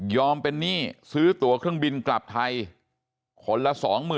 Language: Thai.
เป็นหนี้ซื้อตัวเครื่องบินกลับไทยคนละ๒๐๐๐